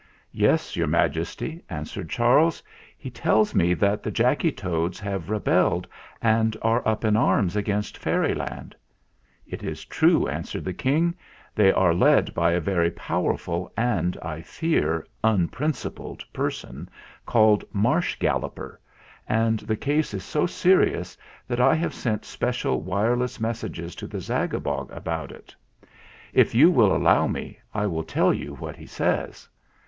"Yes, Your Majesty," answered Charles. "He tells me that the Jacky Toads have re belled and are up in arms against Fairyland." "It is true," answered the King. "They are led by a very powerful and, I fear, un principled person called Marsh Galloper, and the case is so serious that I have sent special wireless messages to the Zagabog about it. 192 THE ZAGABOG'S MESSAGE 193 If you will allow me, I will tell you what he says."